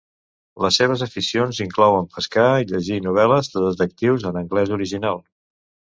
Les seves aficions inclouen pescar i llegir novel·les de detectius en anglès original.